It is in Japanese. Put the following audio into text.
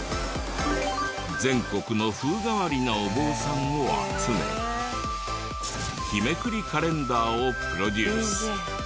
全国の風変わりなお坊さんを集め日めくりカレンダーをプロデュース。